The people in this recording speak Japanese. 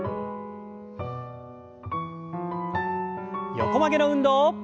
横曲げの運動。